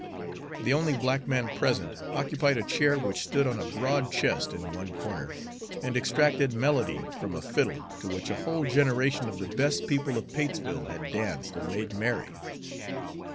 The only black man present occupied a chair which stood on a broad chest in one corner, and extracted melody from a fiddle to which a whole generation of the best people of Patesville had danced and made merry.